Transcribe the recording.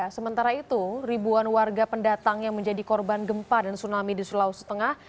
sementara itu ribuan warga pendatang yang menjadi korban gempa dan tsunami di sulawesi tengah